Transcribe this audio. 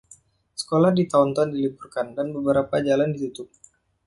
Sekolah di Taunton diliburkan, dan beberapa jalan ditutup.